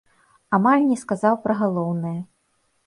Амаль не сказаў пра галоўнае.